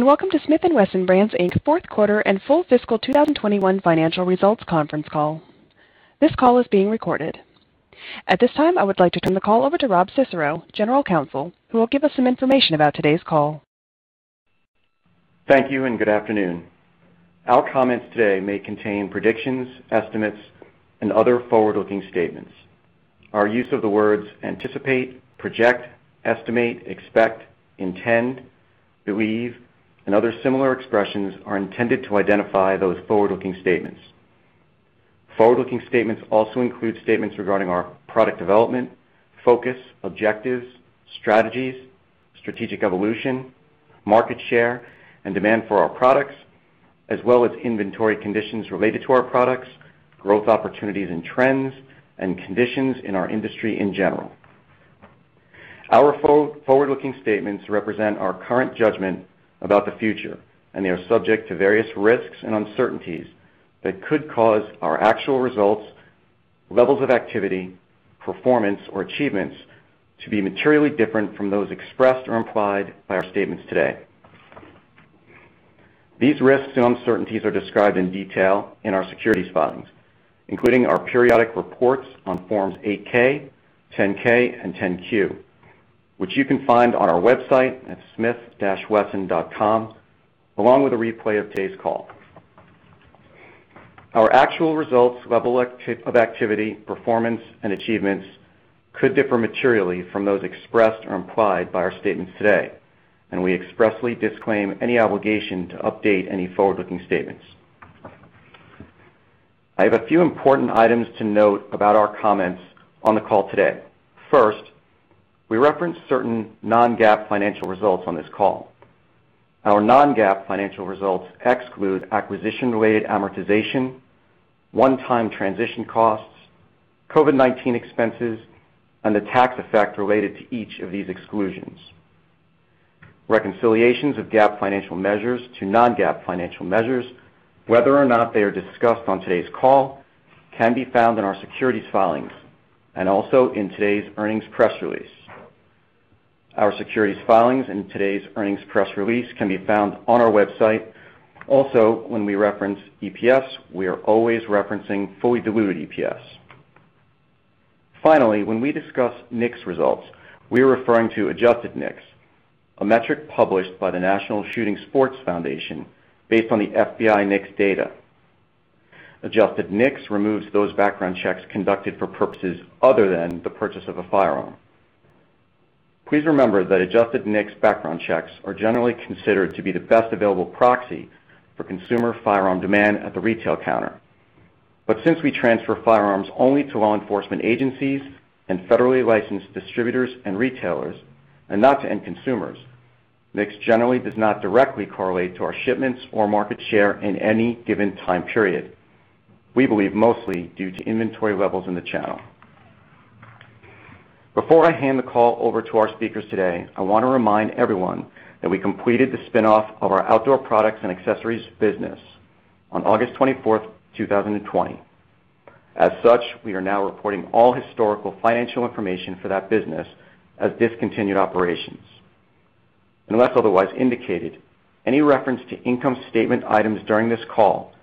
Welcome to Smith & Wesson Brands Inc's fourth quarter and full fiscal 2021 financial results conference call. This call is being recorded. At this time, I would like to turn the call over to Rob Cicero, General Counsel, who will give us some information about today's call. Thank you, and good afternoon. Our comments today may contain predictions, estimates, and other forward-looking statements. Our use of the words anticipate, project, estimate, expect, intend, believe, and other similar expressions are intended to identify those forward-looking statements. Forward-looking statements also include statements regarding our product development, focus, objectives, strategies, strategic evolution, market share, and demand for our products, as well as inventory conditions related to our products, growth opportunities and trends, and conditions in our industry in general. Our forward-looking statements represent our current judgment about the future, and they are subject to various risks and uncertainties that could cause our actual results, levels of activity, performance, or achievements to be materially different from those expressed or implied by our statements today. These risks and uncertainties are described in detail in our securities filings, including our periodic reports on Forms 8-K, 10-K and 10-Q, which you can find on our website at smith-wesson.com, along with a replay of today's call. Our actual results, level of activity, performance, and achievements could differ materially from those expressed or implied by our statements today, and we expressly disclaim any obligation to update any forward-looking statements. I have a few important items to note about our comments on the call today. First, we reference certain non-GAAP financial results on this call. Our non-GAAP financial results exclude acquisition-related amortization, one-time transition costs, COVID-19 expenses, and the tax effect related to each of these exclusions. Reconciliations of GAAP financial measures to non-GAAP financial measures, whether or not they are discussed on today's call, can be found in our securities filings and also in today's earnings press release. Our securities filings and today's earnings press release can be found on our website. Also, when we reference EPS, we are always referencing fully diluted EPS. Finally, when we discuss NICS results, we are referring to adjusted NICS, a metric published by the National Shooting Sports Foundation based on the FBI NICS data. Adjusted NICS removes those background checks conducted for purposes other than the purchase of a firearm. Please remember that adjusted NICS background checks are generally considered to be the best available proxy for consumer firearm demand at the retail counter. Since we transfer firearms only to law enforcement agencies and federally licensed distributors and retailers and not to end consumers, NICS generally does not directly correlate to our shipments or market share in any given time period. We believe mostly due to inventory levels in the channel. Before I hand the call over to our speakers today, I want to remind everyone that we completed the spinoff of our outdoor products and accessories business on August 24th, 2020. As such, we are now reporting all historical financial information for that business as discontinued operations. Unless otherwise indicated, any reference to income statement items during this call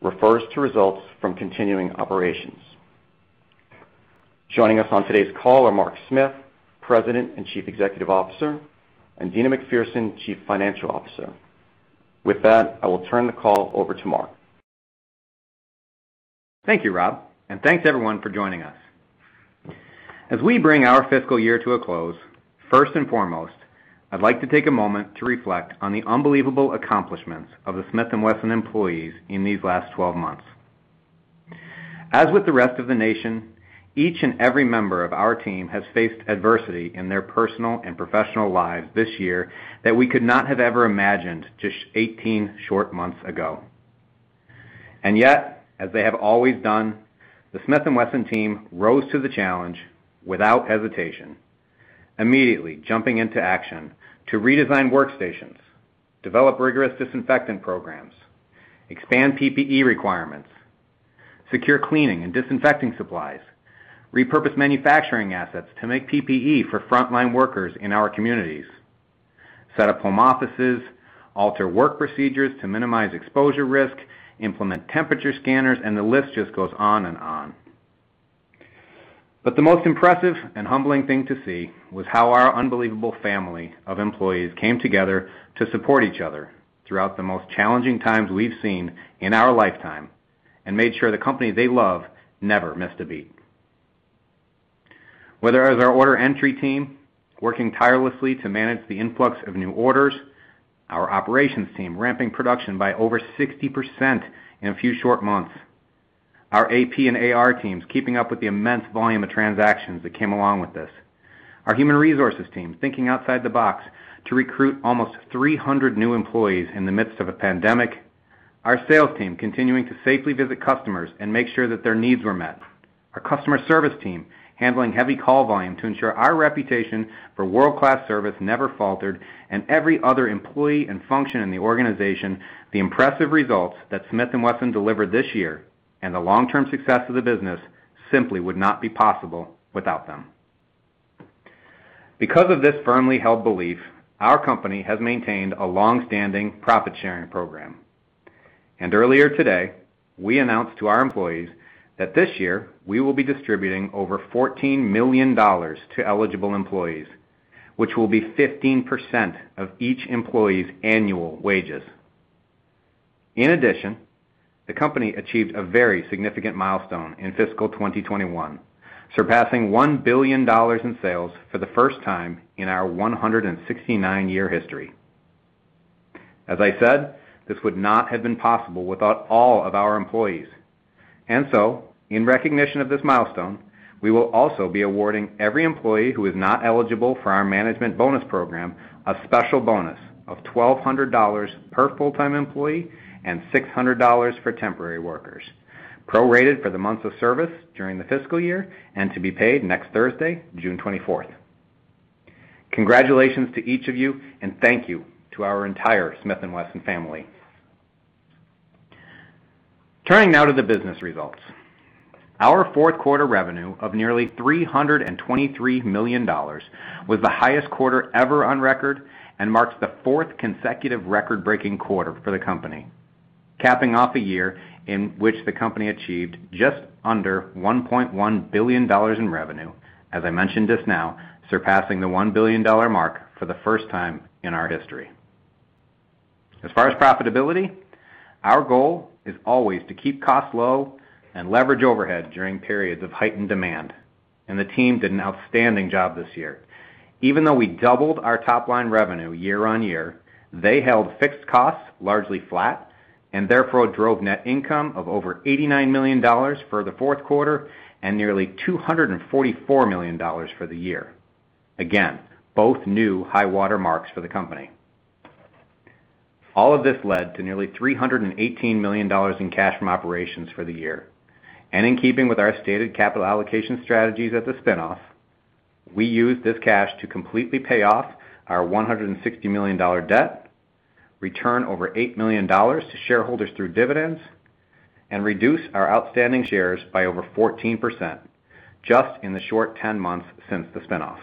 refers to results from continuing operations. Joining us on today's call are Mark Smith, President and Chief Executive Officer, and Deana McPherson, Chief Financial Officer. With that, I will turn the call over to Mark. Thank you, Rob. Thanks, everyone, for joining us. As we bring our fiscal year to a close, first and foremost, I'd like to take a moment to reflect on the unbelievable accomplishments of the Smith & Wesson employees in these last 12 months. As with the rest of the nation, each and every member of our team has faced adversity in their personal and professional lives this year that we could not have ever imagined just 18 short months ago. As they have always done, the Smith & Wesson team rose to the challenge without hesitation, immediately jumping into action to redesign workstations, develop rigorous disinfectant programs, expand PPE requirements, secure cleaning and disinfecting supplies, repurpose manufacturing assets to make PPE for frontline workers in our communities, set up home offices, alter work procedures to minimize exposure risk, implement temperature scanners, and the list just goes on and on. The most impressive and humbling thing to see was how our unbelievable family of employees came together to support each other throughout the most challenging times we've seen in our lifetime and made sure the company they love never missed a beat. Whether as our order entry team, working tirelessly to manage the influx of new orders, our operations team ramping production by over 60% in a few short months, our AP and AR teams keeping up with the immense volume of transactions that came along with this, our human resources team thinking outside the box to recruit almost 300 new employees in the midst of a pandemic, our sales team continuing to safely visit customers and make sure that their needs were met, our customer service team handling heavy call volume to ensure our reputation for world-class service never faltered, and every other employee and function in the organization, the impressive results that Smith & Wesson delivered this year and the long-term success of the business simply would not be possible without them. Because of this firmly held belief, our company has maintained a longstanding profit-sharing program. Earlier today, we announced to our employees that this year we will be distributing over $14 million to eligible employees, which will be 15% of each employee's annual wages. In addition, the company achieved a very significant milestone in fiscal 2021, surpassing $1 billion in sales for the first time in our 169-year history. As I said, this would not have been possible without all of our employees. In recognition of this milestone, we will also be awarding every employee who is not eligible for our management bonus program a special bonus of $1,200 per full-time employee and $600 for temporary workers, prorated for the months of service during the fiscal year, and to be paid next Thursday, June 24th. Congratulations to each of you, and thank you to our entire Smith & Wesson family. Turning now to the business results. Our fourth quarter revenue of nearly $323 million was the highest quarter ever on record and marks the fourth consecutive record-breaking quarter for the company, capping off a year in which the company achieved just under $1.1 billion in revenue, as I mentioned just now, surpassing the $1 billion mark for the first time in our history. As far as profitability, our goal is always to keep costs low and leverage overhead during periods of heightened demand, and the team did an outstanding job this year. Even though we doubled our top-line revenue year-on-year, they held fixed costs largely flat and therefore drove net income of over $89 million for the fourth quarter and nearly $244 million for the year. Again, both new high water marks for the company. All of this led to nearly $318 million in cash from operations for the year. In keeping with our stated capital allocation strategies at the spinoff, we used this cash to completely pay off our $160 million debt, return over $8 million to shareholders through dividends, and reduce our outstanding shares by over 14% just in the short 10 months since the spinoff.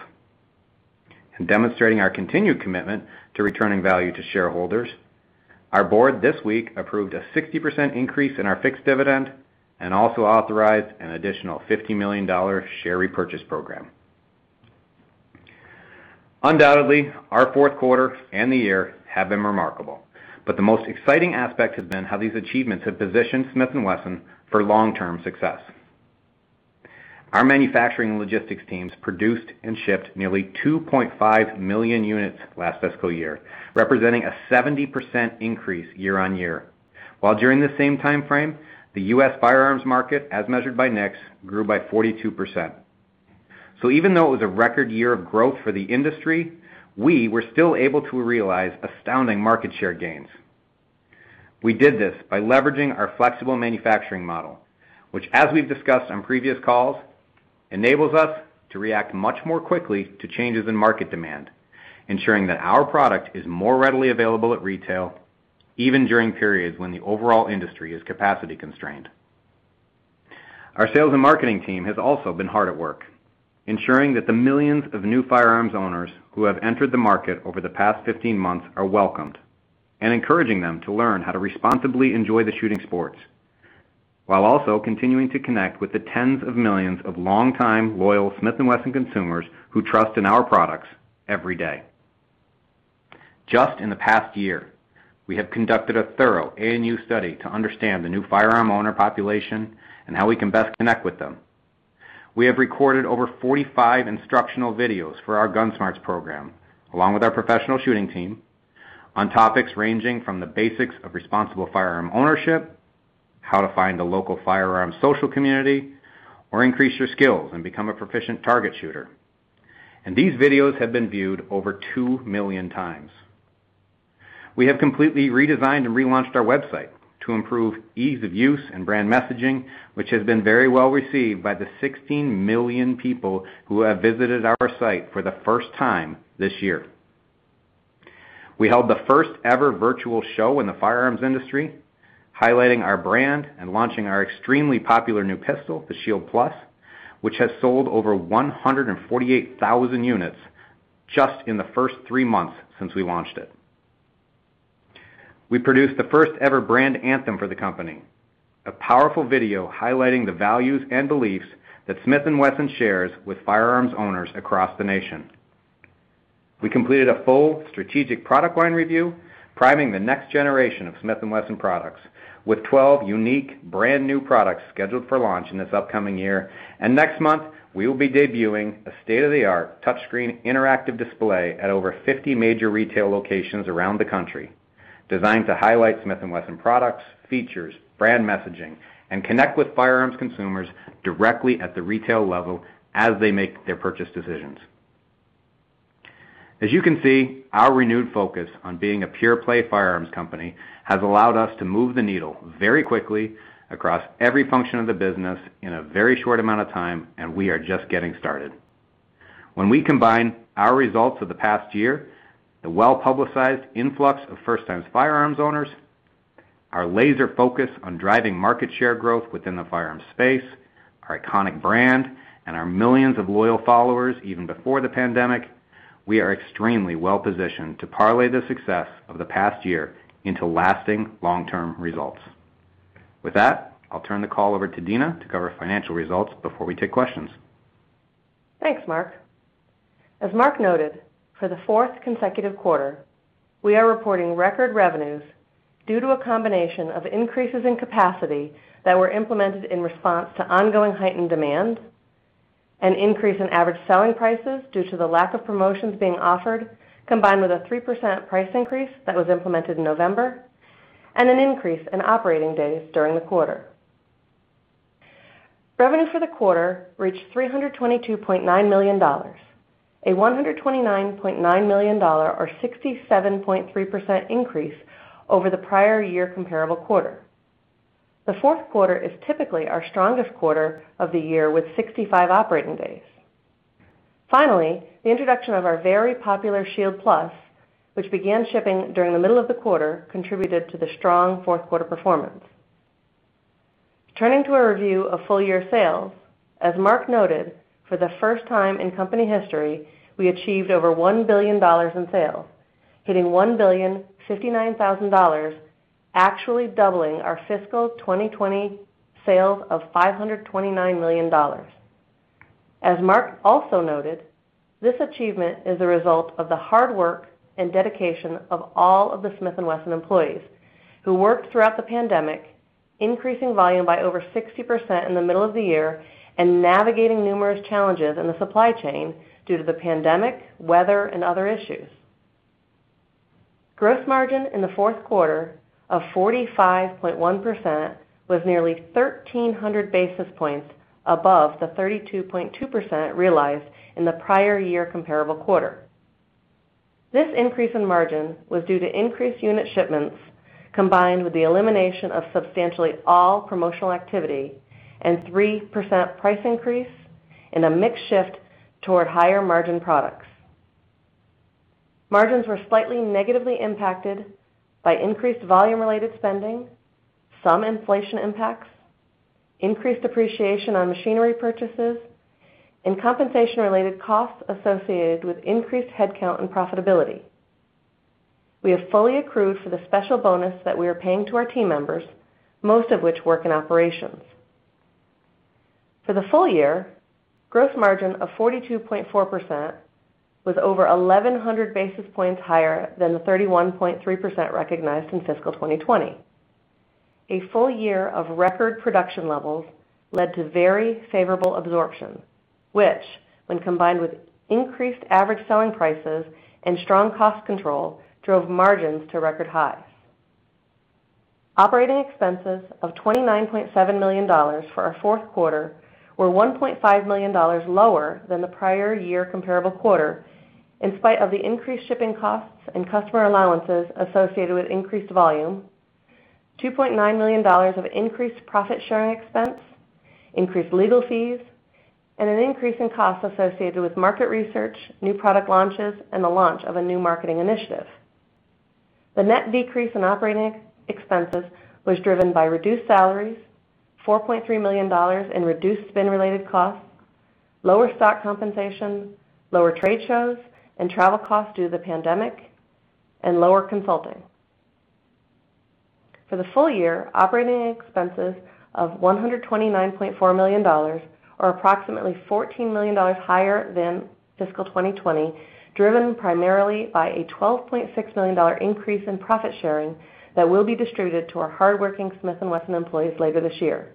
Demonstrating our continued commitment to returning value to shareholders, our board this week approved a 60% increase in our fixed dividend and also authorized an additional $50 million share repurchase program. Undoubtedly, our fourth quarter and the year have been remarkable, but the most exciting aspect has been how these achievements have positioned Smith & Wesson for long-term success. Our manufacturing logistics teams produced and shipped nearly 2.5 million units last fiscal year, representing a 70% increase year-on-year. During the same time frame, the U.S. firearms market, as measured by NICS, grew by 42%. Even though it was a record year of growth for the industry, we were still able to realize astounding market share gains. We did this by leveraging our flexible manufacturing model, which as we've discussed on previous calls, enables us to react much more quickly to changes in market demand, ensuring that our product is more readily available at retail, even during periods when the overall industry is capacity constrained. Our sales and marketing team has also been hard at work ensuring that the millions of new firearms owners who have entered the market over the past 15 months are welcomed and encouraging them to learn how to responsibly enjoy the shooting sports, while also continuing to connect with the tens of millions of longtime loyal Smith & Wesson consumers who trust in our products every day. Just in the past year, we have conducted a thorough A&U study to understand the new firearm owner population and how we can best connect with them. We have recorded over 45 instructional videos for our GUNSMARTS program, along with our professional shooting team, on topics ranging from the basics of responsible firearm ownership, how to find a local firearm social community, or increase your skills and become a proficient target shooter. These videos have been viewed over 2 million times. We have completely redesigned and relaunched our website to improve ease of use and brand messaging, which has been very well received by the 16 million people who have visited our site for the first time this year. We held the first-ever virtual show in the firearms industry, highlighting our brand and launching our extremely popular new pistol, the Shield Plus, which has sold over 148,000 units just in the first three months since we launched it. We produced the first-ever brand anthem for the company, a powerful video highlighting the values and beliefs that Smith & Wesson shares with firearms owners across the nation. We completed a full strategic product line review, priming the next generation of Smith & Wesson products with 12 unique brand-new products scheduled for launch in this upcoming year. Next month, we will be debuting a state-of-the-art touchscreen interactive display at over 50 major retail locations around the country, designed to highlight Smith & Wesson products, features, brand messaging, and connect with firearms consumers directly at the retail level as they make their purchase decisions. As you can see, our renewed focus on being a pure-play firearms company has allowed us to move the needle very quickly across every function of the business in a very short amount of time, and we are just getting started. When we combine our results of the past year, the well-publicized influx of first-time firearms owners. Our laser focus on driving market share growth within the firearm space, our iconic brand, and our millions of loyal followers even before the pandemic, we are extremely well-positioned to parlay the success of the past year into lasting long-term results. With that, I'll turn the call over to Deana to cover financial results before we take questions. Thanks, Mark. As Mark noted, for the fourth consecutive quarter, we are reporting record revenues due to a combination of increases in capacity that were implemented in response to ongoing heightened demand, an increase in average selling prices due to the lack of promotions being offered, combined with a 3% price increase that was implemented in November, and an increase in operating days during the quarter. Revenue for the quarter reached $322.9 million, a $129.9 million or 67.3% increase over the prior year comparable quarter. The fourth quarter is typically our strongest quarter of the year with 65 operating days. Finally, the introduction of our very popular Shield Plus, which began shipping during the middle of the quarter, contributed to the strong fourth quarter performance. Turning to a review of full-year sales, as Mark noted, for the first time in company history, we achieved over $1 billion in sales, hitting $1,059,000, actually doubling our fiscal 2020 sales of $529 million. As Mark also noted, this achievement is a result of the hard work and dedication of all of the Smith & Wesson employees who worked throughout the pandemic, increasing volume by over 60% in the middle of the year and navigating numerous challenges in the supply chain due to the pandemic, weather, and other issues. Gross margin in the fourth quarter of 45.1% was nearly 1,300 basis points above the 32.2% realized in the prior year comparable quarter. This increase in margin was due to increased unit shipments combined with the elimination of substantially all promotional activity and 3% price increase and a mix shift toward higher margin products. Margins were slightly negatively impacted by increased volume-related spending, some inflation impacts, increased depreciation on machinery purchases, and compensation-related costs associated with increased headcount and profitability. We have fully accrued for the special bonus that we are paying to our team members, most of which work in operations. For the full year, gross margin of 42.4% was over 1,100 basis points higher than the 31.3% recognized in fiscal 2020. A full year of record production levels led to very favorable absorption, which, when combined with increased average selling prices and strong cost control, drove margins to record highs. Operating expenses of $29.7 million for our fourth quarter were $1.5 million lower than the prior year comparable quarter in spite of the increased shipping costs and customer allowances associated with increased volume, $2.9 million of increased profit-sharing expense, increased legal fees, and an increase in costs associated with market research, new product launches, and the launch of a new marketing initiative. The net decrease in operating expenses was driven by reduced salaries, $4.3 million in reduced spin-related costs, lower stock compensation, lower trade shows and travel costs due to the pandemic, and lower consulting. For the full year, operating expenses of $129.4 million are approximately $14 million higher than fiscal 2020, driven primarily by a $12.6 million increase in profit sharing that will be distributed to our hardworking Smith & Wesson employees later this year.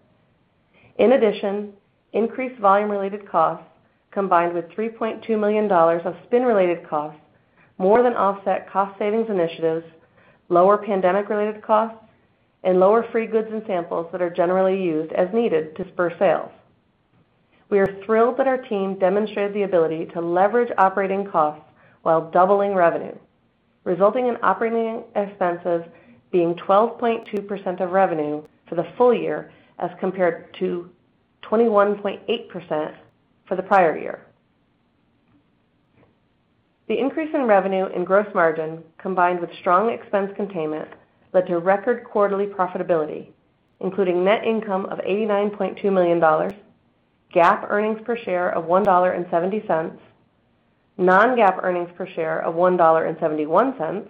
In addition, increased volume-related costs combined with $3.2 million of spin-related costs more than offset cost savings initiatives, lower pandemic-related costs, and lower free goods and samples that are generally used as needed to spur sales. We are thrilled that our team demonstrated the ability to leverage operating costs while doubling revenue, resulting in operating expenses being 12.2% of revenue for the full year as compared to 21.8% for the prior year. The increase in revenue and gross margin, combined with strong expense containment, led to record quarterly profitability, including net income of $89.2 million, GAAP earnings per share of $1.70, non-GAAP earnings per share of $1.71,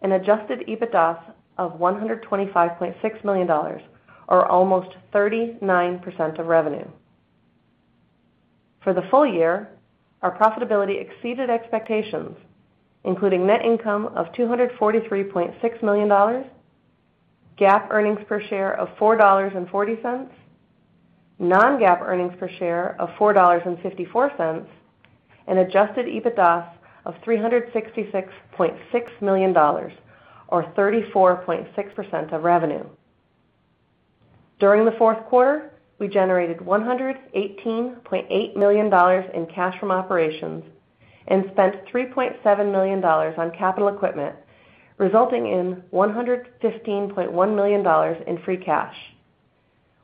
and adjusted EBITDA of $125.6 million, or almost 39% of revenue. For the full year, our profitability exceeded expectations, including net income of $243.6 million, GAAP earnings per share of $4.40, non-GAAP earnings per share of $4.54, and adjusted EBITDA of $366.6 million, or 34.6% of revenue. During the fourth quarter, we generated $118.8 million in cash from operations and spent $3.7 million on capital equipment, resulting in $115.1 million in free cash.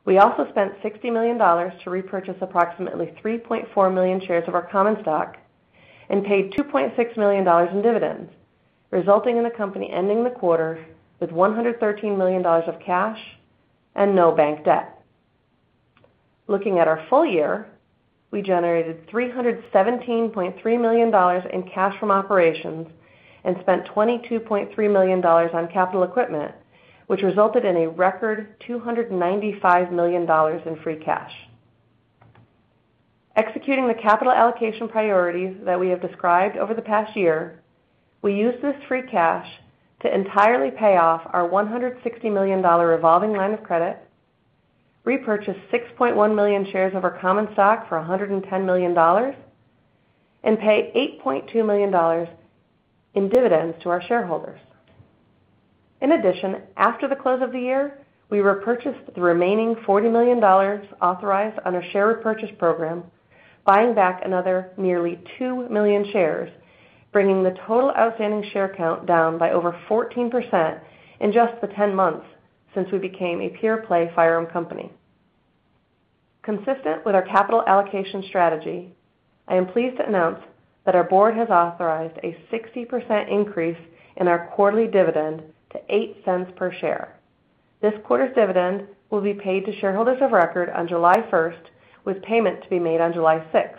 We also spent $60 million to repurchase approximately 3.4 million shares of our common stock and paid $2.6 million in dividends, resulting in the company ending the quarter with $113 million of cash and no bank debt. Looking at our full year, we generated $317.3 million in cash from operations and spent $22.3 million on capital equipment, which resulted in a record $295 million in free cash. Executing the capital allocation priorities that we have described over the past year, we used this free cash to entirely pay off our $160 million revolving line of credit, repurchase $6.1 million shares of our common stock for $110 million, and pay $8.2 million in dividends to our shareholders. In addition, after the close of the year, we repurchased the remaining $40 million authorized on our share repurchase program, buying back another nearly 2 million shares, bringing the total outstanding share count down by over 14% in just the 10 months since we became a pure-play firearm company. Consistent with our capital allocation strategy, I am pleased to announce that our board has authorized a 60% increase in our quarterly dividend to $0.08 per share. This quarter's dividend will be paid to shareholders of record on July 1st, with payment to be made on July 6th.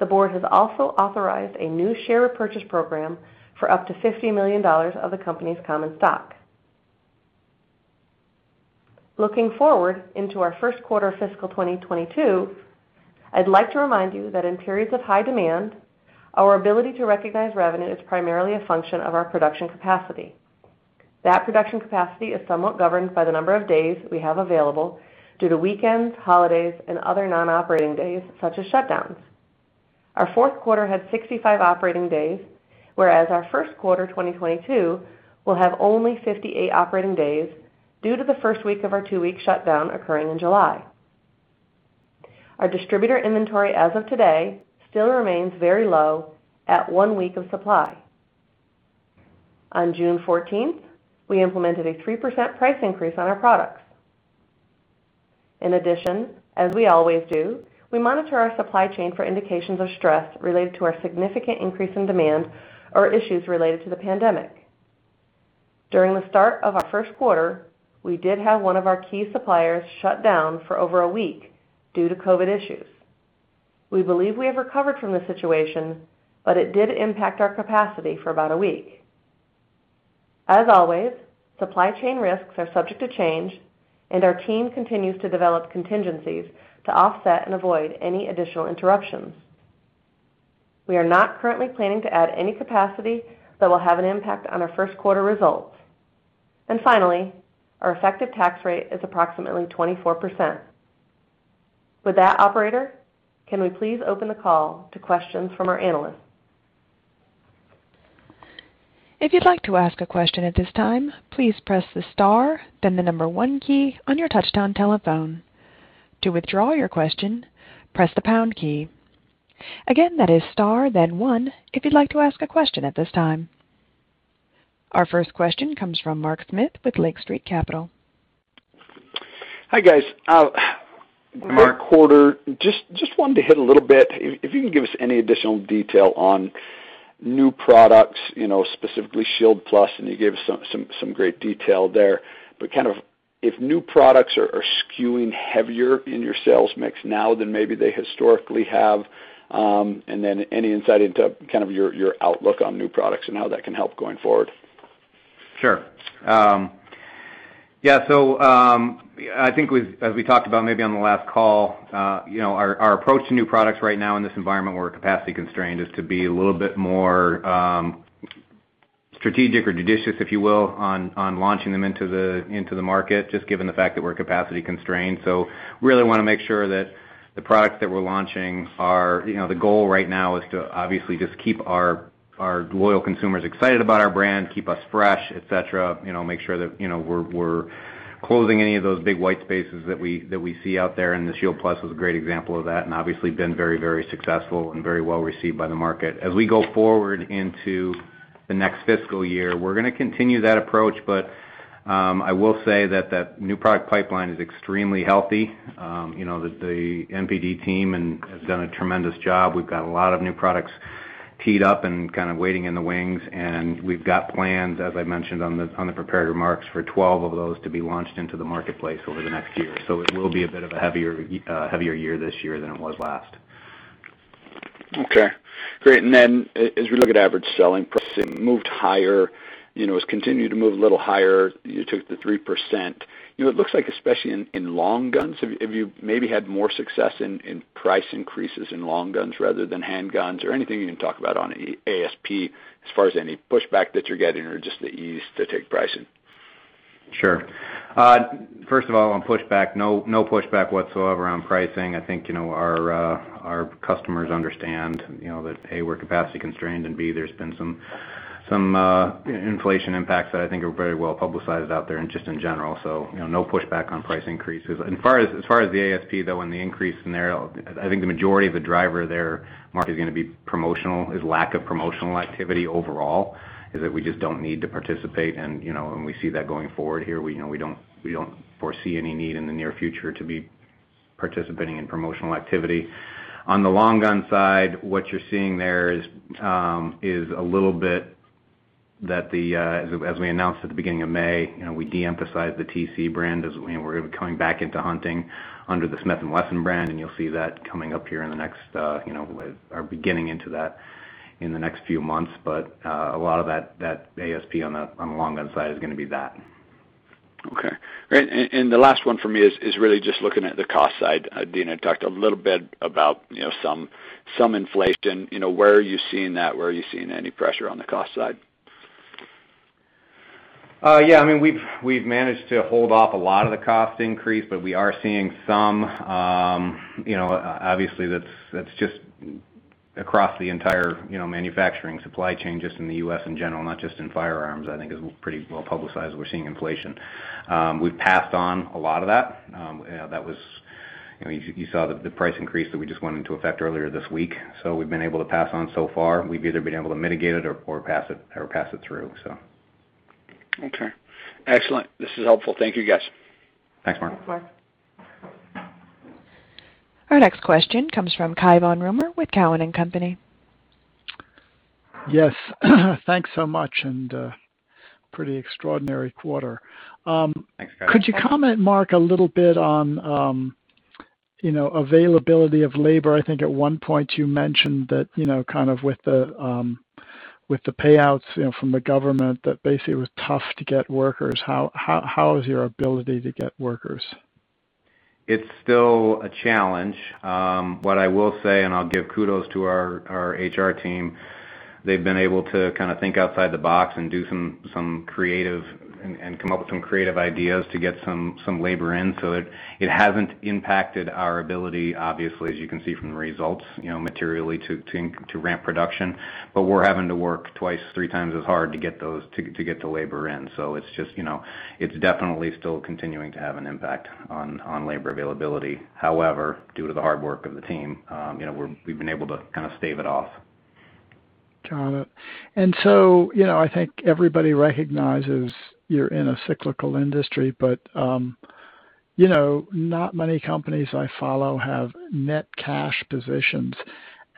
The board has also authorized a new share repurchase program for up to $50 million of the company's common stock. Looking forward into our first quarter of fiscal 2022, I'd like to remind you that in periods of high demand, our ability to recognize revenue is primarily a function of our production capacity. That production capacity is somewhat governed by the number of days we have available due to weekends, holidays, and other non-operating days such as shutdowns. Our fourth quarter had 65 operating days, whereas our first quarter 2022 will have only 58 operating days due to the first week of our two-week shutdown occurring in July. Our distributor inventory as of today still remains very low at one week of supply. On June 14th, we implemented a 3% price increase on our products. In addition, as we always do, we monitor our supply chain for indications of stress related to our significant increase in demand or issues related to the pandemic. During the start of our first quarter, we did have one of our key suppliers shut down for over a week due to COVID issues. We believe we have recovered from this situation, but it did impact our capacity for about one week. As always, supply chain risks are subject to change and our team continues to develop contingencies to offset and avoid any additional interruptions. We are not currently planning to add any capacity that will have an impact on our first quarter results. Finally, our effective tax rate is approximately 24%. With that, operator, can we please open the call to questions from our analysts? If you'd like to ask a question at this time, please press the star and the number one key on your touch-tone telephone. To withdraw your question press the pound key. Again that is start then one if you'd like to ask a question at this time. Our first question comes from Mark Smith with Lake Street Capital. Hi, guys. Mark. Great quarter. Just wanted to hit a little bit, if you can give us any additional detail on new products, specifically Shield Plus, and you gave us some great detail there. If new products are skewing heavier in your sales mix now than maybe they historically have, and then any insight into your outlook on new products and how that can help going forward? Sure. Yeah. I think as we talked about maybe on the last call, our approach to new products right now in this environment where we're capacity constrained is to be a little bit more strategic or judicious, if you will, on launching them into the market, just given the fact that we're capacity constrained. We really want to make sure that the products that we're launching, the goal right now is to obviously just keep our loyal consumers excited about our brand, keep us fresh, et cetera, make sure that we're closing any of those big white spaces that we see out there, and the Shield Plus was a great example of that and obviously been very successful and very well received by the market. As we go forward into the next fiscal year, we're going to continue that approach, but I will say that that new product pipeline is extremely healthy. The NPD team has done a tremendous job. We've got a lot of new products teed up and kind of waiting in the wings, and we've got plans, as I mentioned on the prepared remarks, for 12 of those to be launched into the marketplace over the next year. It will be a bit of a heavier year this year than it was last. Okay, great. As we look at average selling price, it moved higher, has continued to move a little higher. You took the 3%. It looks like especially in long guns, have you maybe had more success in price increases in long guns rather than handguns? Anything you can talk about on ASP as far as any pushback that you're getting or just the ease to take pricing. Sure. First of all, on pushback, no pushback whatsoever on pricing. I think our customers understand that, A, we're capacity constrained, and B, there's been some inflation impacts that I think are very well publicized out there and just in general. No pushback on price increases. As far as the ASP, though, and the increase scenario, I think the majority of the driver there, Mark, is going to be promotional, is lack of promotional activity overall, is that we just don't need to participate and we see that going forward here. We don't foresee any need in the near future to be Participating in promotional activity. On the long gun side, what you're seeing there is a little bit that, as we announced at the beginning of May, we de-emphasized the T/C brand as we're coming back into hunting under the Smith & Wesson brand, and you'll see that coming up here in the next, or beginning into that in the next few months. A lot of that ASP on the long gun side is going to be that. Okay. The last one for me is really just looking at the cost side. Deana talked a little bit about some inflation. Where are you seeing that? Where are you seeing any pressure on the cost side? Yeah, we've managed to hold off a lot of the cost increase, but we are seeing some. Obviously, that's just across the entire manufacturing supply chain, just in the U.S. in general, not just in firearms. I think it's pretty well-publicized. We're seeing inflation. We've passed on a lot of that. You saw the price increase that we just went into effect earlier this week. We've been able to pass on so far. We've either been able to mitigate it or pass it through. Okay. Excellent. This is helpful. Thank you, guys. Thanks, Mark. Thanks, Mark. Our next question comes from Cai von Rumohr with Cowen and Company. Yes. Thanks so much, pretty extraordinary quarter. Thanks. Could you comment, Mark, a little bit on availability of labor. I think at one point you mentioned that with the payouts from the government, that basically it was tough to get workers. How is your ability to get workers? It's still a challenge. What I will say, and I'll give kudos to our HR team, they've been able to think outside the box and come up with some creative ideas to get some labor in. It hasn't impacted our ability, obviously, as you can see from the results, materially to ramp production. We're having to work twice, three times as hard to get the labor in. It's definitely still continuing to have an impact on labor availability. However, due to the hard work of the team, we've been able to stave it off. Got it. I think everybody recognizes you're in a cyclical industry, but not many companies I follow have net cash positions.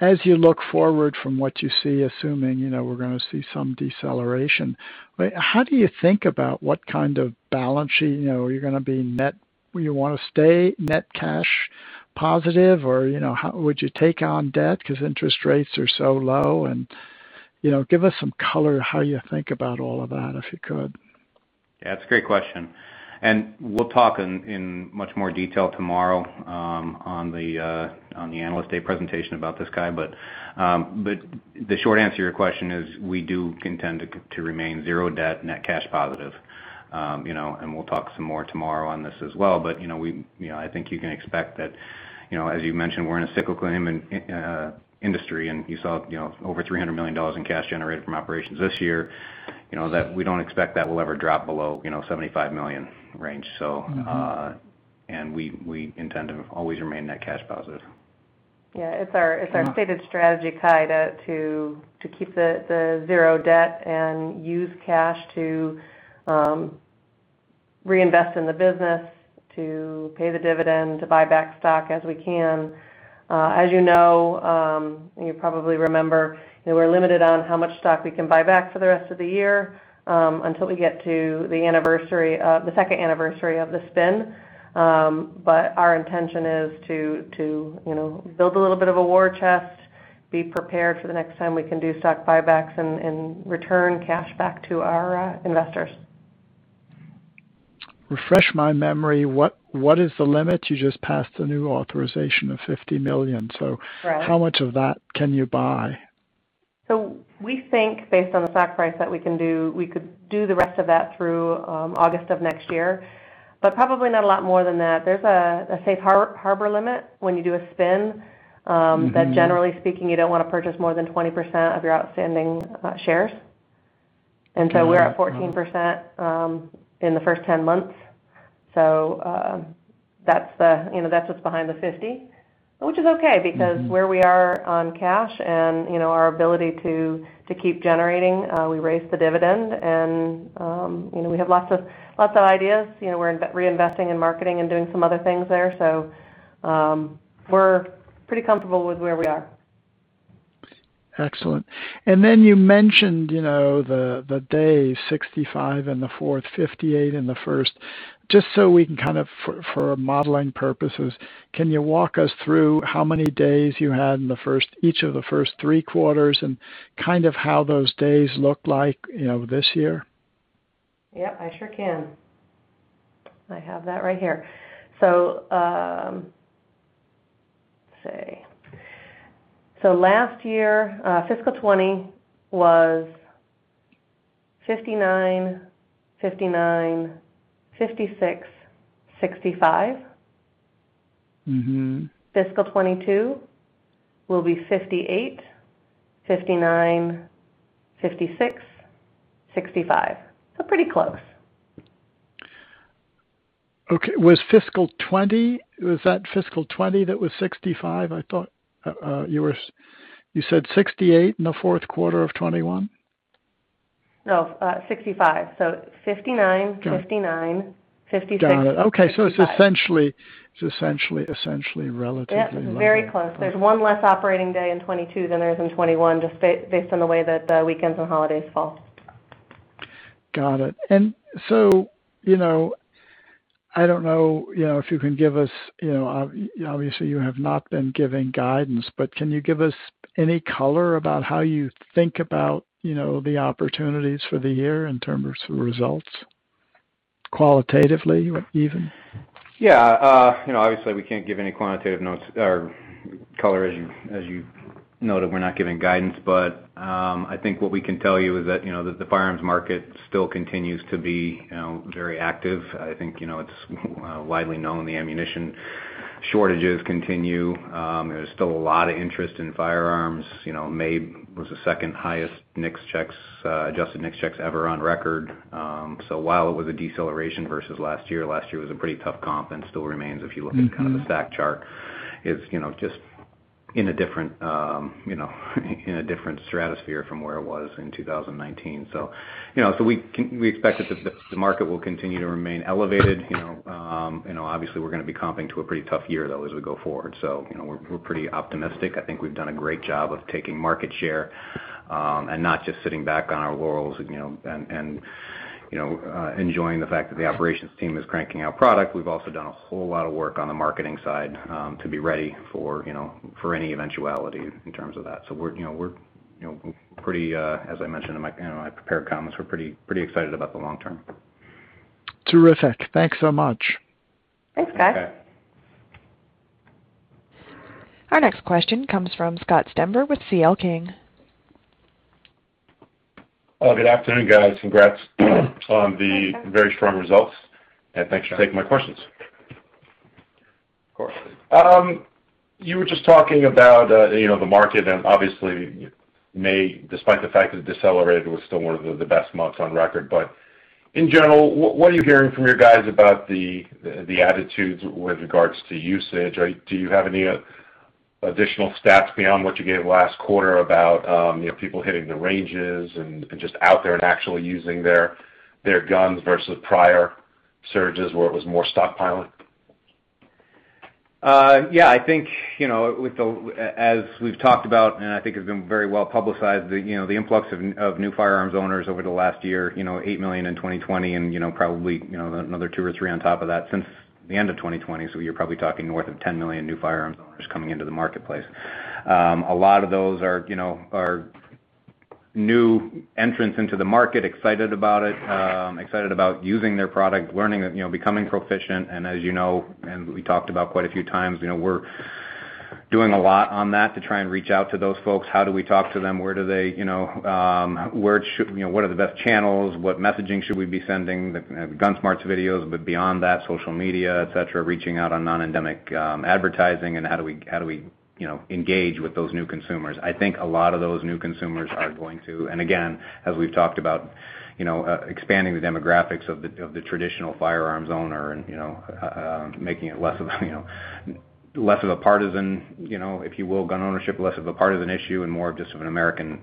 As you look forward from what you see, assuming we're going to see some deceleration, how do you think about what kind of balance sheet? You want to stay net cash positive, or would you take on debt because interest rates are so low? Give us some color how you think about all of that, if you could. Yeah, that's a great question. We'll talk in much more detail tomorrow on the Analyst Day presentation about this, Cai. The short answer to your question is we do intend to remain zero debt, net cash positive. We'll talk some more tomorrow on this as well. I think you can expect that, as you mentioned, we're in a cyclical industry, and you saw over $300 million in cash generated from operations this year, that we don't expect that to ever drop below $75 million range. We intend to always remain net cash positive. Yeah. It's our stated strategy, Cai, to keep the zero debt and use cash to reinvest in the business, to pay the dividend, to buy back stock as we can. As you know, you probably remember, we're limited on how much stock we can buy back for the rest of the year until we get to the second anniversary of the spin. Our intention is to build a little bit of a war chest, be prepared for the next time we can do stock buybacks and return cash back to our investors. Refresh my memory. What is the limit? You just passed the new authorization of $50 million. Right. How much of that can you buy? We think based on the stock price that we could do the rest of that through August of next year, but probably not a lot more than that. There's a safe harbor limit when you do a spin- that generally speaking, you don't want to purchase more than 20% of your outstanding shares. Yeah. We're at 14% in the first 10 months. That's what's behind the $50 million, which is okay because where we are on cash and our ability to keep generating, we raised the dividend and we have lots of ideas. We're reinvesting in marketing and doing some other things there. We're pretty comfortable with where we are. Excellent. You mentioned the days, 65 in the fourth, 58 in the first. Just so we can, for modeling purposes, can you walk us through how many days you had in each of the first three quarters and how those days look like this year? Yeah, I sure can. I have that right here. Let's see. Last year, fiscal 2020 was 59, 56, 65. Fiscal 2022 will be 58, 59, 56, 65. Pretty close. Okay. Was that fiscal 2020 that was 65? I thought you said 68 in the fourth quarter of 2021? No, 65. 59, 69, 56. Got it. Okay. It's essentially relatively level. Yes, very close. There's one less operating day in 2022 than in 2021, just based on the way that the weekends and holidays fall. Got it. I don't know if you can give us, obviously you have not been giving guidance, but can you give us any color about how you think about the opportunities for the year in terms of results qualitatively even? Yeah. Obviously we can't give any quantitative notes or color, as you noted, we're not giving guidance. I think what we can tell you is that the firearms market still continues to be very active. I think it's widely known the ammunition shortages continue. There's still a lot of interest in firearms. May was the second highest adjusted NICS checks ever on record. While it was a deceleration versus last year, last year was a pretty tough comp and still remains, if you look at the stack chart, is just in a different stratosphere from where it was in 2019. We expect that the market will continue to remain elevated. Obviously we're going to be comping to a pretty tough year, though, as we go forward. We're pretty optimistic. I think we've done a great job of taking market share and not just sitting back on our laurels and enjoying the fact that the operations team is cranking out product. We've also done a whole lot of work on the marketing side to be ready for any eventuality in terms of that. We're pretty, as I mentioned in my prepared comments, we're pretty excited about the long term. Terrific. Thanks so much. Thanks, Cai. Our next question comes from Scott Stember with C.L. King. Good afternoon, guys. Congrats on the very strong results. Thanks for taking my questions. Of course. You were just talking about the market and obviously May, despite the fact it decelerated, was still one of the best months on record. In general, what are you hearing from your guys about the attitudes with regards to usage? Do you have any additional stats beyond what you gave last quarter about people hitting the ranges and just out there and actually using their guns versus prior surges where it was more stockpiling? I think as we've talked about, and I think it's been very well publicized, the influx of new firearms owners over the last year, 8 million in 2020 and probably another two or three on top of that since the end of 2020. You're probably talking more than 10 million new firearm owners coming into the marketplace. A lot of those are new entrants into the market, excited about it, excited about using their product, learning, becoming proficient. As you know, and we talked about quite a few times, we're doing a lot on that to try and reach out to those folks. How do we talk to them? What are the best channels? What messaging should we be sending? GUNSMARTS videos, beyond that, social media, et cetera, reaching out on non-endemic advertising, how do we engage with those new consumers? I think a lot of those new consumers are going to, and again, as we've talked about expanding the demographics of the traditional firearms owner and making it less of a partisan, if you will, gun ownership less of a partisan issue and more just an American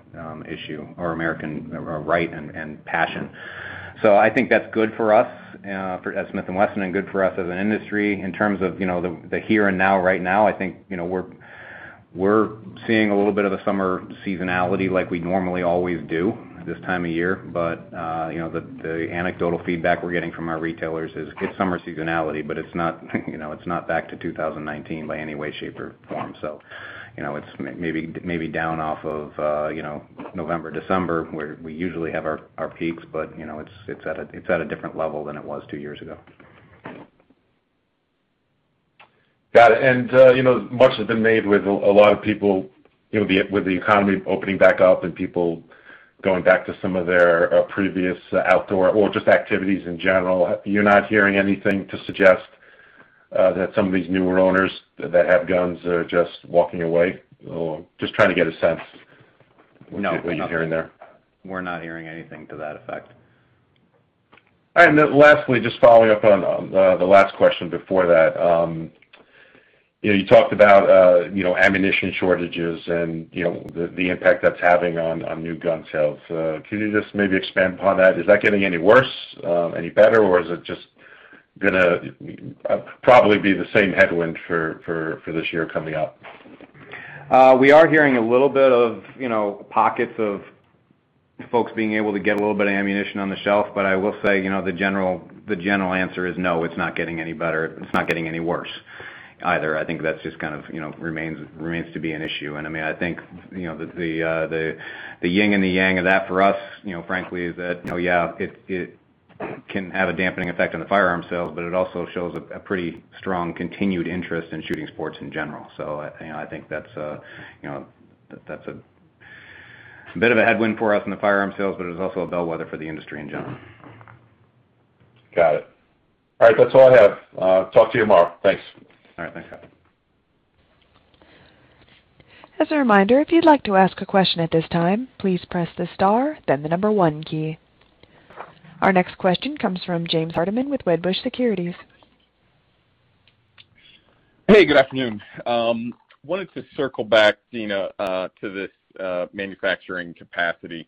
issue or American right and passion. I think that's good for us, for Smith & Wesson, and good for us as an industry. In terms of the here and now, right now, I think we're seeing a little bit of the summer seasonality like we normally always do this time of year. The anecdotal feedback we're getting from our retailers is good summer seasonality, but it's not back to 2019 by any way, shape, or form. It's maybe down off of November, December, where we usually have our peaks, but it's at a different level than it was two years ago. Got it. Much has been made with a lot of people, with the economy opening back up and people going back to some of their previous outdoor or just activities in general. You're not hearing anything to suggest that some of these newer owners that have guns are just walking away? Just trying to get a sense what you're hearing there? No. We're not hearing anything to that effect. All right. Lastly, just following up on the last question before that. You talked about ammunition shortages and the impact that's having on new gun sales. Can you just maybe expand upon that? Is that getting any worse, any better, or is it just going to probably be the same headwind for this year coming up? We are hearing a little bit of pockets of folks being able to get a little bit of ammunition on the shelf. I will say, the general answer is no, it's not getting any worse either. I think that just kind of remains to be an issue. I think the yin and the yang of that for us, frankly, is that, yeah, it can have a damping effect on the firearm sales, but it also shows a pretty strong continued interest in shooting sports in general. I think that's a bit of a headwind for us in the firearm sales, but it's also a bellwether for the industry in general. Got it. All right. That's all I have. Talk to you tomorrow. Thanks. All right. Thanks, Scott. As a reminder, if you'd like to ask a question at this time, please press the star, then the one key. Our next question comes from James Hardiman with Wedbush Securities. Hey, good afternoon. Wanted to circle back, Deana, to this manufacturing capacity.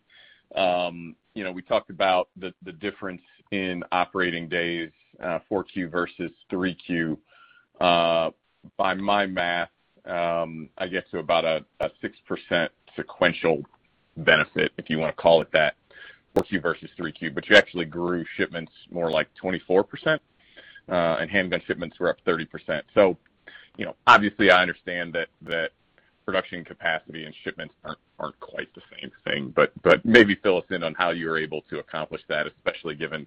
We talked about the difference in operating days, 4Q versus 3Q. By my math, I guess to about a 6% sequential benefit, if you want to call it that, 4Q versus 3Q. You actually grew shipments more like 24%, and handgun shipments were up 30%. Obviously, I understand that production capacity and shipments aren't quite the same thing, but maybe fill us in on how you're able to accomplish that, especially given,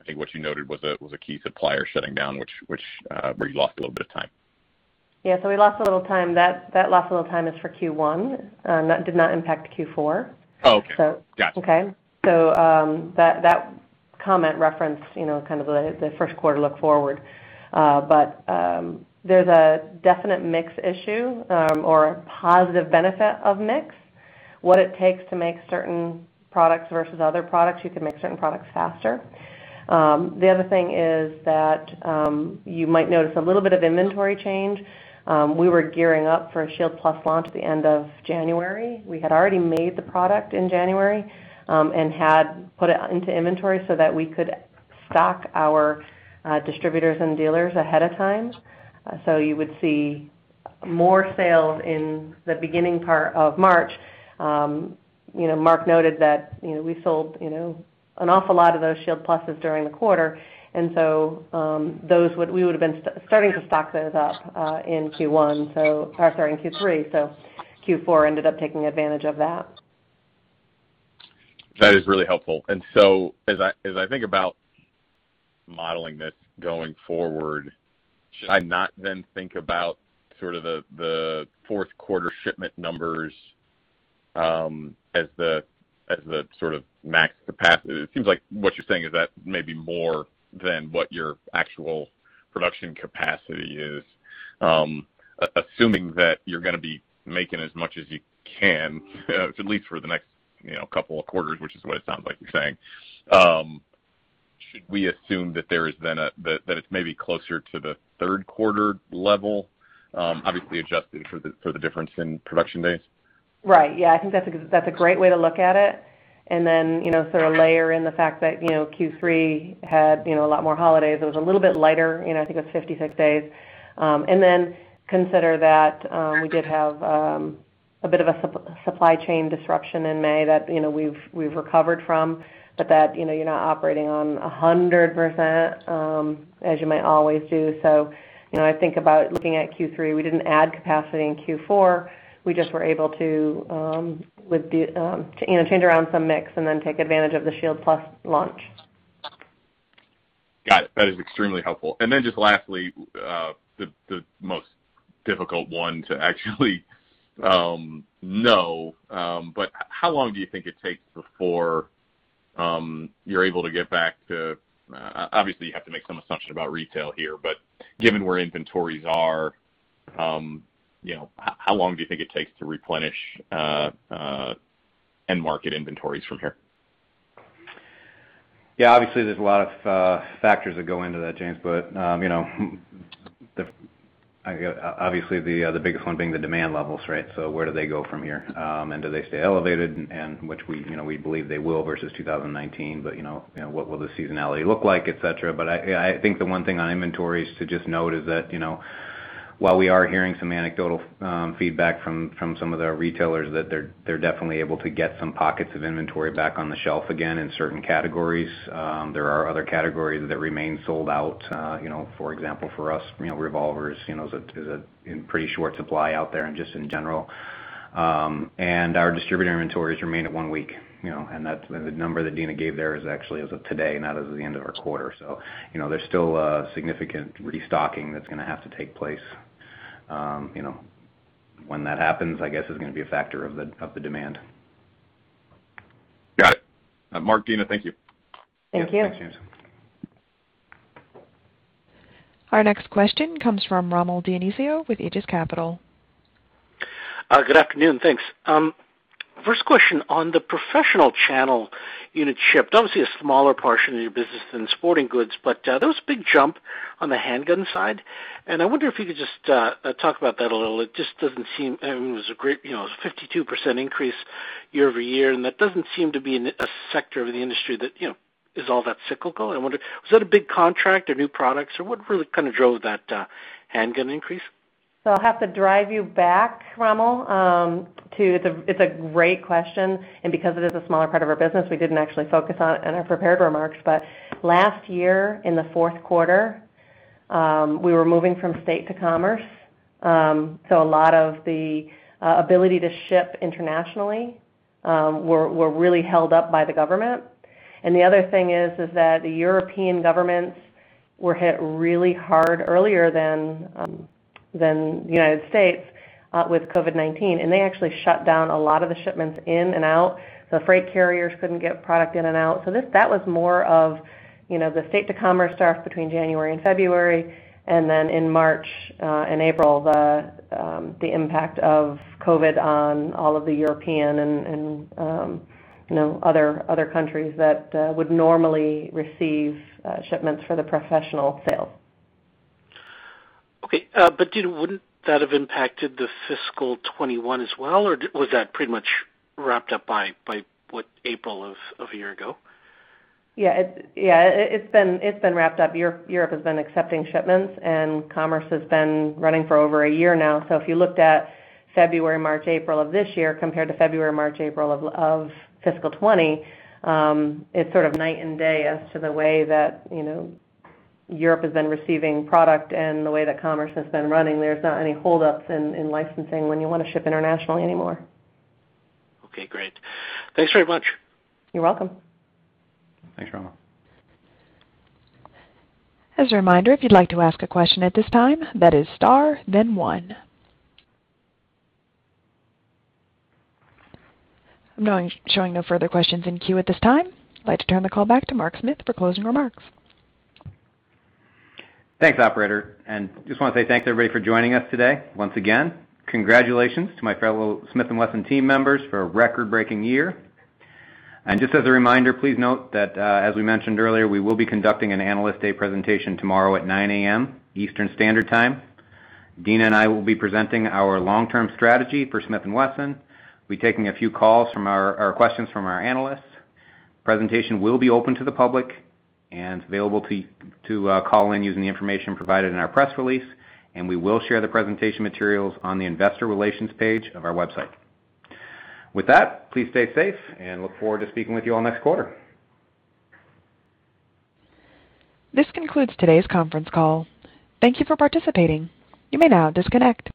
I think what you noted was a key supplier shutting down, where you lost a little bit of time. We lost a little time. That lost a little time is for Q1. That did not impact Q4. Oh, got it. That comment referenced kind of the first quarter look forward. There's a definite mix issue or a positive benefit of mix, what it takes to make certain products versus other products. You can make certain products faster. The other thing is that you might notice a little bit of inventory change. We were gearing up for a Shield Plus launch at the end of January. We had already made the product in January, and had put it into inventory so that we could stock our distributors and dealers ahead of time. You would see more sales in the beginning part of March. Mark noted that we sold an awful lot of those Shield Pluses during the quarter. We would've been starting to stock those up in Q1, sorry, in Q3. Q4 ended up taking advantage of that. That is really helpful. As I think about modeling this going forward, should I not then think about the fourth quarter shipment numbers as the sort of max capacity? It seems like what you're saying is that may be more than what your actual production capacity is. Assuming that you're going to be making as much as you can, at least for the next couple of quarters, which is what it sounds like you're saying. Should we assume that it's maybe closer to the third quarter level, obviously adjusted for the difference in production days? Right. Yeah, I think that's a great way to look at it. Then sort of layer in the fact that Q3 had a lot more holidays. It was a little bit lighter, I think it was 56 days. Then consider that we did have a bit of a supply chain disruption in May that we've recovered from, but that you're not operating on 100% as you might always do. I think about looking at Q3, we didn't add capacity in Q4. We just were able to change around some mix and then take advantage of the Shield Plus launch. Got it. That is extremely helpful. Lastly, the most difficult one to actually know. Obviously, you have to make some assumption about retail here, but given where inventories are, how long do you think it takes to replenish end market inventories from here? Obviously, there's a lot of factors that go into that, James. Obviously, the biggest one being the demand levels, right? Where do they go from here? Do they stay elevated? Which we believe they will versus 2019, what will the seasonality look like, et cetera. I think the one thing on inventories to just note is that, while we are hearing some anecdotal feedback from some of the retailers that they're definitely able to get some pockets of inventory back on the shelf again in certain categories. There are other categories that remain sold out. For example, for us, revolvers, is in pretty short supply out there and just in general. Our distributor inventories remain at one week. The number that Deana gave there is actually as of today, not as of the end of our quarter. There's still a significant restocking that's going to have to take place. When that happens, I guess it's going to be a factor of the demand. Got it. Mark, Deana, thank you. Thank you. Thanks. Our next question comes from Rommel Dionisio with Aegis Capital. Good afternoon, thanks. First question on the professional channel unit ship. Obviously, a smaller portion of your business than sporting goods, but there was a big jump on the handgun side, and I wonder if you could just talk about that a little. It just doesn't seem, I mean, it was a 52% increase year-over-year, and that doesn't seem to be a sector of the industry that is all that cyclical. I wonder, was it a big contract, a new product? What really kind of drove that handgun increase? I'll have to drive you back, Rommel. It's a great question, and because it is a smaller part of our business, we didn't actually focus on it in our prepared remarks. Last year in the fourth quarter, we were moving from State to Commerce. A lot of the ability to ship internationally, were really held up by the government. The other thing is that the European governments were hit really hard earlier than the United States with COVID-19, and they actually shut down a lot of the shipments in and out. The freight carriers couldn't get product in and out. That was more of the State to Commerce stuff between January and February. In March and April, the impact of COVID on all of the European and other countries that would normally receive shipments for the professional sale. Wouldn't that have impacted the fiscal 2021 as well, or was that pretty much wrapped up by what April is of a year ago? Yeah. It's been wrapped up. Europe has been accepting shipments, and Commerce has been running for over a year now. If you looked at February, March, April of this year compared to February, March, April of fiscal 2020, it's sort of night and day as to the way that Europe has been receiving product and the way that Commerce has been running. There's not any holdups in licensing when you want to ship internationally anymore. Okay, great. Thanks very much. You're welcome. Thanks, Rommel. As a reminder, if you'd like to ask a question at this time, that is star then one. I'm showing no further questions in queue at this time. I'd like to turn the call back to Mark Smith for closing remarks. Thanks, operator. Just want to say thanks to everybody for joining us today. Once again, congratulations to my fellow Smith & Wesson team members for a record-breaking year. Just as a reminder, please note that, as we mentioned earlier, we will be conducting an Analyst Day presentation tomorrow at 9:00 A.M. Eastern Standard Time. Deana and I will be presenting our long-term strategy for Smith & Wesson. We'll be taking a few questions from our analysts. Presentation will be open to the public and it's available to call in using the information provided in our press release, and we will share the presentation materials on the investor relations page of our website. With that, please stay safe, and look forward to speaking with you all next quarter. This concludes today's conference call. Thank you for participating. You may now disconnect.